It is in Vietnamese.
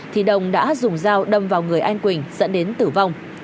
thì đồng đã dùng dao đâm vào người anh quỳnh dẫn đến tử vong